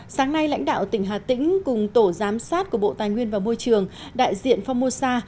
sáng nay lãnh đạo tỉnh hà tĩnh cùng tổ giám sát của bộ tài nguyên và môi trường đại diện phongmosa